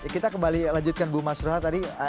kita kembali lanjutkan bu masroha tadi